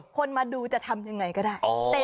คนมาดูจะทำยังไงก็ได้